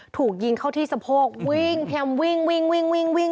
ถูกยิงเขาที่สะโพกวิ่งพยายามวิ่ง